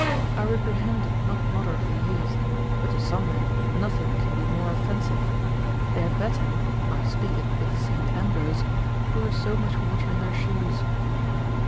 I reprehend it not moderately used; but to some men nothing can be more offensive; they had better, I speak it with Saint Ambrose, pour so much water in their shoes.